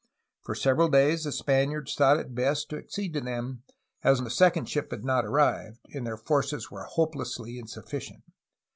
For several days the Spaniards thought it best to accede to them, as the second ship had not arrived, and their forces were hopelessly insufficient.